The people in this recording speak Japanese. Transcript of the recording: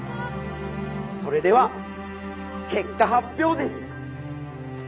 それでは結果発表です。